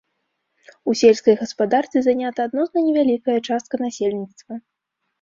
У сельскай гаспадарцы занята адносна невялікая частка насельніцтва.